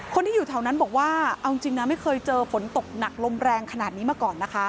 คนที่อยู่แถวนั้นบอกว่าเอาจริงนะไม่เคยเจอฝนตกหนักลมแรงขนาดนี้มาก่อนนะคะ